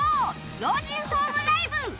老人ホームライブを開催